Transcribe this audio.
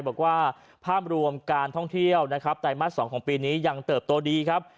บอกว่าภาพรวมการท่องเที่ยวนะครับไตรมาส๒ของปีนี้ยังเติบโตดีครับ